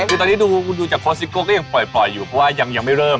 คือตอนนี้ดูจากโค้ชซิโก้ก็ยังปล่อยอยู่เพราะว่ายังไม่เริ่ม